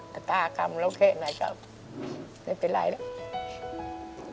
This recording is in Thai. แต่ตากรรมแล้วแค่ไหนก็ไม่เป็นไรแล้ว